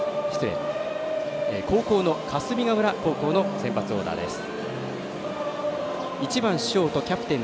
後攻の霞ヶ浦高校の先発オーダーです。